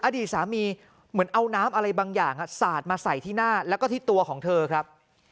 อดีตสามีเหมือนเอาน้ำอะไรบางอย่างสาดมาใส่ที่หน้าแล้วก็ที่ตัวของเธอครับ